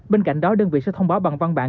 bên cạnh đó đơn vị sẽ thông báo bằng văn bản